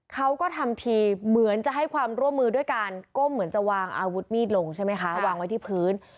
เขาก็ทำทีเหมือนจะให้ความร่วมมือด้วยการก้มเหมือนจะวางอาวุธมีดลงใช่ไหมคะวางไว้ที่พื้น